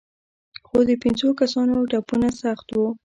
خو د پنځو کسانو ټپونه سخت وو.